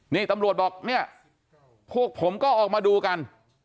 นี่ตำรวจบอกเนี่ยพวกผมก็ออกมาดูกัน